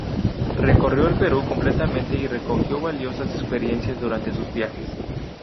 Recorrió el Perú completamente y recogió valiosas experiencias durante sus viajes.